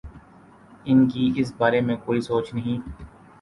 ان کی اس بارے میں کوئی سوچ نہیں؟